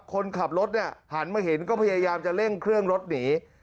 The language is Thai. คนขับรถเนี่ยหันมาเห็นก็พยายามจะเร่งเครื่องรถหนี